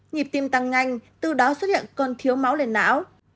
nhịp tim tăng nhanh từ đó xuất hiện con thiếu máu lên não